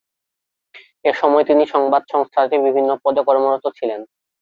এসময় তিনি সংবাদ সংস্থাটির বিভিন্ন পদে কর্মরত ছিলেন।